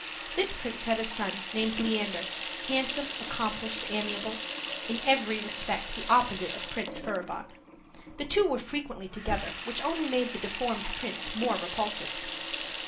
This prince had a son, named Leander, handsome, accomplished, amiable in every respect the opposite of Prince Furibon. The two were frequently together, which only made the deformed prince more repulsive.